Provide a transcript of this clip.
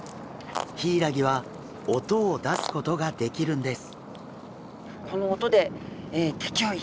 ヒイラギは音を出すことができるんです。